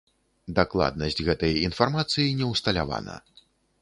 Дакладнасць гэтай інфармацыі не ўсталявана.